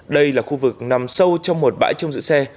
đây là khu vực nằm sâu trong một bãi trông giữ xe